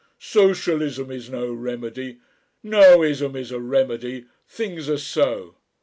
Socialism is no remedy, no ism is a remedy; things are so."